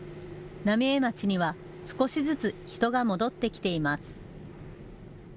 浪江町には少しずつ人が戻ってきています。